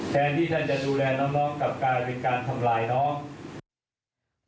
แทนที่ท่านจะดูแลน้องกลับกลายเป็นการทำลายน้อง